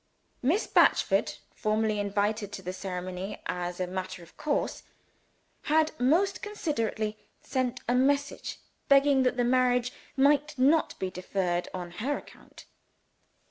Miss Batchford, formally invited to the ceremony as a matter of course, had most considerately sent a message begging that the marriage might not be deferred on her account.